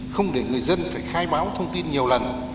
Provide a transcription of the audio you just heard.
không để người dân phải khai báo thông tin nhiều lần